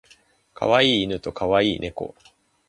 可愛い犬と可愛い猫